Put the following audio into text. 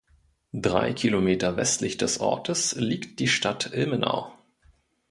Drei Kilometer westlich des Ortes liegt die Stadt Ilmenau.